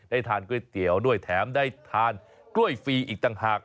ทานก๋วยเตี๋ยวด้วยแถมได้ทานกล้วยฟรีอีกต่างหาก